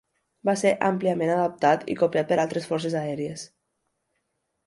Va ser àmpliament adaptat i copiat per a altres forces aèries.